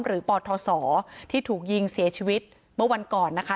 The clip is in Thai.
หรือปลอดธศศลที่ถูกยิงเสียชีวิตเมื่อวันก่อนนะคะ